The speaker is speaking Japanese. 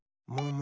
む？